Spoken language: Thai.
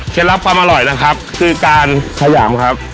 เสียรับความอร่อยว่าการขยามครับ